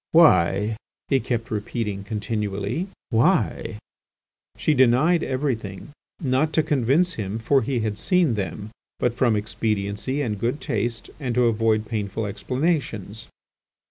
why?" he kept repeating continually, "why?" She denied everything, not to convince him, for he had seen them, but from expediency and good taste, and to avoid painful explanations.